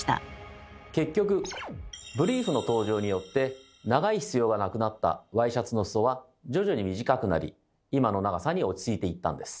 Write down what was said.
結局ブリーフの登場によって長い必要がなくなったワイシャツの裾は徐々に短くなり今の長さに落ち着いていったんです。